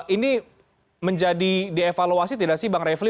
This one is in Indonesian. ini menjadi dievaluasi tidak sih bang refli